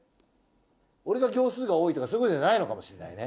俺が行数が多いとかそういうことじゃないのかもしれないね。